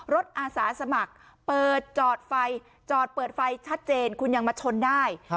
อาสาสมัครเปิดจอดไฟจอดเปิดไฟชัดเจนคุณยังมาชนได้